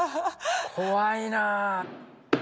怖いなぁ。